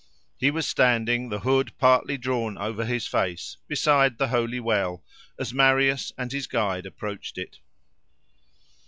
He was standing, the hood partly drawn over his face, beside the holy well, as Marius and his guide approached it.